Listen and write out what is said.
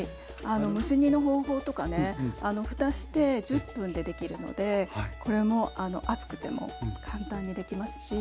蒸し煮の方法とかね蓋して１０分で出来るのでこれも暑くても簡単にできますし